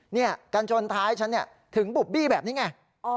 เนี่ยการชนท้ายฉันถึงบุบบี้แบบนี้ไง